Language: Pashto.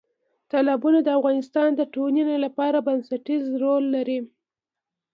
تالابونه د افغانستان د ټولنې لپاره بنسټیز رول لري.